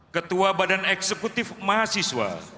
ketua badan eksekutif mahasiswa